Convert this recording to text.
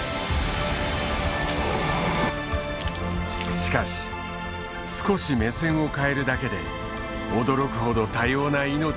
しかし少し目線を変えるだけで驚くほど多様な命の姿が見えてきた。